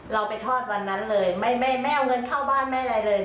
เราไปทอดวันนั้นเลยไม่เอาเงินเข้าบ้านไม่อะไรเลย